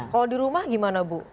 kalau di rumah gimana bu